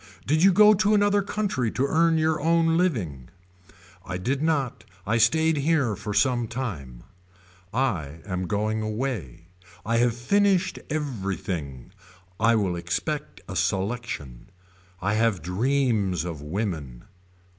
Did you go to another country to earn your own living. I did not I stayed here for some time. I am going away. I have finished everything. I will expect a selection. I have dreams of women.